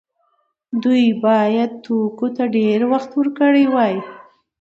دوی باید توکو ته ډیر وخت ورکړی وای.